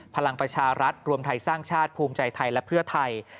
พลังประชารัฐรวมไทยสร้างชาติภูมิใจไทยและเพื่อไทย